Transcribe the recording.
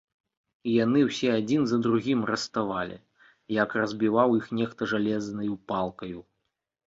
І яны ўсе адзін за другім раставалі, як разбіваў іх нехта жалезнаю палкаю.